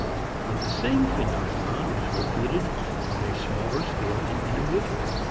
But the same phenomenon is repeated on a smaller scale in individuals.